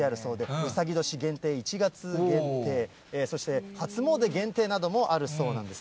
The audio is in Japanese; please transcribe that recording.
うさぎ年限定、１月限定、そして初詣限定などもあるそうなんです。